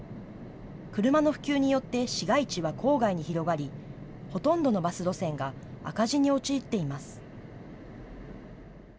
車の普及によって市街地は郊外に広がり、ほとんどのバス路線が赤字に陥っています。